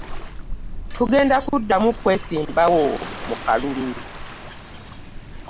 Tagenda kuddamu kwesimbawo mu kalulu.